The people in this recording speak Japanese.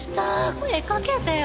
声かけてよ。